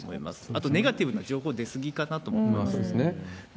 あと、ネガティブな情報出過ぎかなと思いますね。